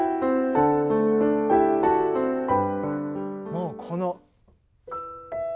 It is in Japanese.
もうこの。